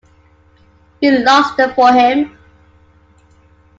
We lost them for him.